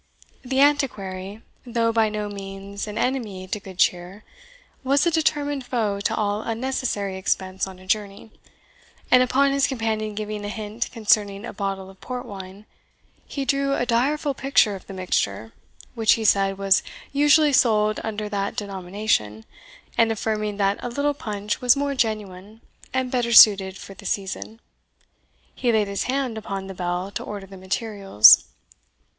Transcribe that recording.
The Antiquary, though by no means an enemy to good cheer, was a determined foe to all unnecessary expense on a journey; and upon his companion giving a hint concerning a bottle of port wine, he drew a direful picture of the mixture, which, he said, was usually sold under that denomination, and affirming that a little punch was more genuine and better suited for the season, he laid his hand upon the bell to order the materials.